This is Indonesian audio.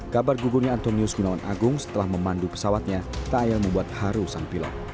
kabar gugurnya antonius gunawan agung setelah memandu pesawatnya tak ayal membuat haru sang pilot